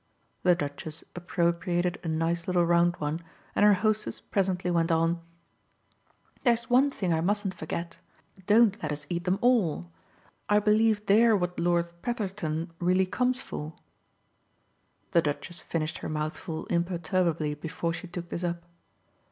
The Duchess appropriated a nice little round one and her hostess presently went on: "There's one thing I mustn't forget don't let us eat them ALL. I believe they're what Lord Petherton really comes for." The Duchess finished her mouthful imperturbably before she took this up.